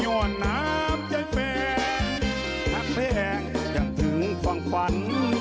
อ่อนน้ำใจแฟนนักเพลงยังถึงความฝัน